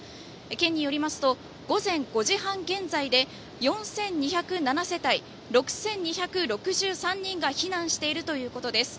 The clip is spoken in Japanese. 県によりますと午前５時半現在で４２０７世帯６２６３人が避難しているということです。